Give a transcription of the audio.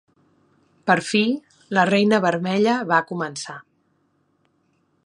Per fi, la reina vermella va començar.